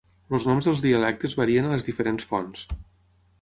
Els noms dels dialectes varien a les diferents fonts.